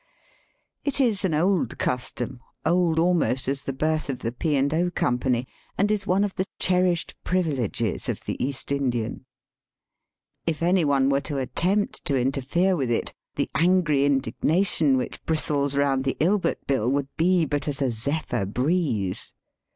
It is an old custom, old almost as the birth of the P. and 0. Company, and is one of the cherished privileges of the East Indian. If any one were to attempt to interfere with it the angry indignation which bristles round the Ilbert Bill would be but as a zephyr breeze.